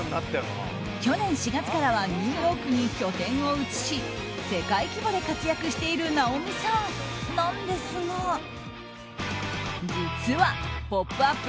去年４月からはニューヨークに拠点を移し世界規模で活躍している直美さんなんですが実は「ポップＵＰ！」